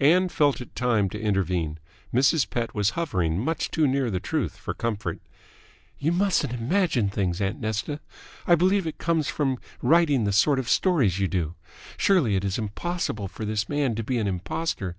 Ann felt it time to intervene. Mrs. Pett was hovering much too near the truth for comfort. "You mustn't imagine things, aunt Nesta. I believe it comes from writing the sort of stories you do. Surely, it is impossible for this man to be an impostor.